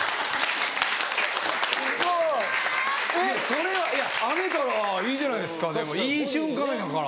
それはあげたらいいじゃないですかいい瞬間やから。